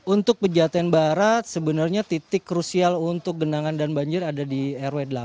untuk pejaten barat sebenarnya titik krusial untuk genangan dan banjir ada di rw delapan